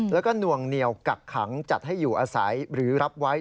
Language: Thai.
แล้วก็นวงเหนียวกักขังจัดให้อยู่อาศัยหรือรับไว้